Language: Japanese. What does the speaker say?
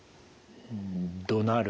どなる